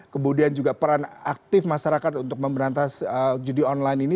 kemudian juga peran aktif masyarakat untuk memberantas judi online ini